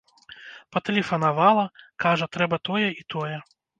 Патэлефанавала, кажа, трэба тое і тое.